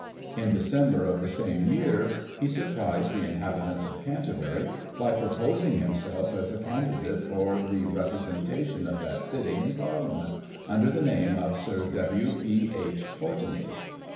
In December of the same year, he surprised the inhabitants of Canterbury by proposing himself as a can Digiti ized by Google 46 GOSSIP. [1838 didate for the representation of that city in Parliament, under the name of Sir W. P. H. Courtenay.